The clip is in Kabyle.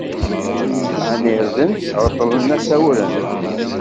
Win isɛan irden, reṭṭlen-as awren.